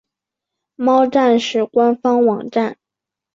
猫战士官方网站